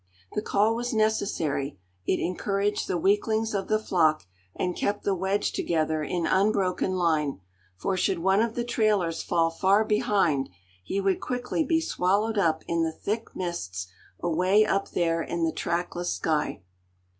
The call was necessary; it encouraged the weaklings of the flock, and kept the wedge together in unbroken line, for should one of the trailers fall far behind, he would quickly be swallowed up in the thick mists away up there in the trackless sky.